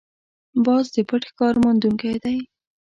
باز د پټ ښکار موندونکی دی